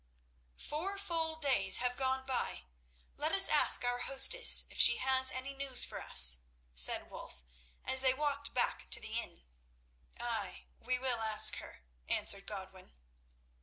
"Four full days have gone by. Let us ask our hostess if she has any news for us," said Wulf as they walked back to the inn. "Ay, we will ask her," answered Godwin.